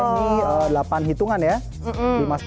ini delapan hitungan ya